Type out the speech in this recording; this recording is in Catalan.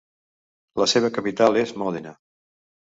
La seva capital és Mòdena.